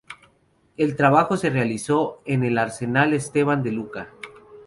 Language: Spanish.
El trabajo se realizó en el Arsenal Esteban de Luca.